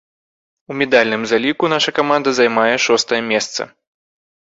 У медальным заліку наша каманда займае шостае месца.